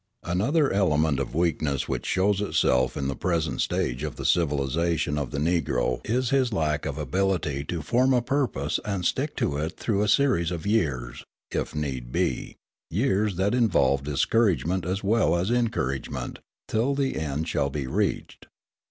Another element of weakness which shows itself in the present stage of the civilisation of the Negro is his lack of ability to form a purpose and stick to it through a series of years, if need be, years that involve discouragement as well as encouragement, till the end shall be reached.